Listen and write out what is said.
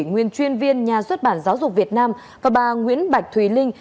nguyên chuyên viên nhà xuất bản giáo dục việt nam và bà nguyễn bạch thùy linh